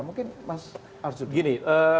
mungkin mas arswendo